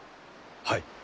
はい。